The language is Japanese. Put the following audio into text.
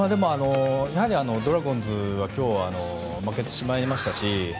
やはりドラゴンズは今日、負けてしまいましたし